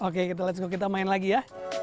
oke let's go kita main lagi ya